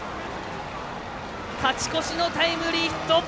勝ち越しのタイムリーヒット。